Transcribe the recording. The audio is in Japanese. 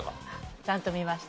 ちゃんと見ました。